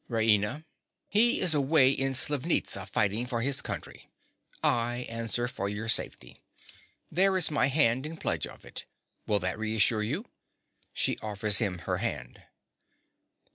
RAINA. He is away at Slivnitza fighting for his country. I answer for your safety. There is my hand in pledge of it. Will that reassure you? (_She offers him her hand.